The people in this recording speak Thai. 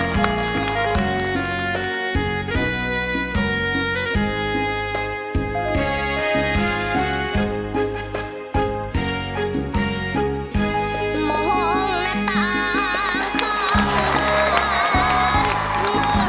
ตรงหน้าตาข้างบน